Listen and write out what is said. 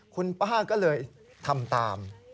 คุณป้าก็เลยทำตาม